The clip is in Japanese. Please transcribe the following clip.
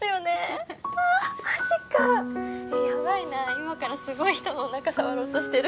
今からすごい人のおなか触ろうとしてる。